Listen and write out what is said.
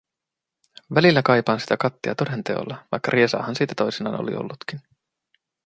Välillä kaipaan sitä kattia toden teolla, vaikka riesaahan sitä toisinaan oli ollutkin.